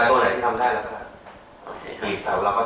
เดี๋ยวผมจะต้นอะไรที่ทำได้แล้วก็ได้